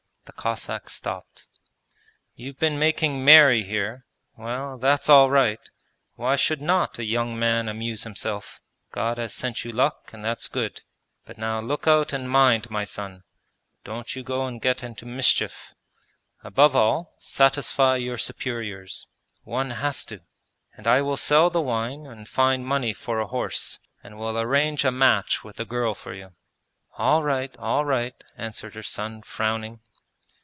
The Cossack stopped. 'You've been making merry here; well, that's all right. Why should not a young man amuse himself? God has sent you luck and that's good. But now look out and mind, my son. Don't you go and get into mischief. Above all, satisfy your superiors: one has to! And I will sell the wine and find money for a horse and will arrange a match with the girl for you.' 'All right, all right!' answered her son, frowning.